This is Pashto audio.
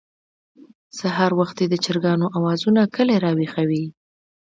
سهار وختي د چرګانو اوازونه کلى راويښوي.